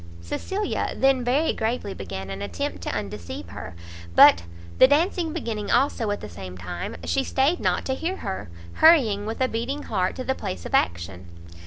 Cecilia then very gravely began an attempt to undeceive her; but the dancing beginning also at the same time, she stayed not to hear her, hurrying, with a beating heart, to the place of action.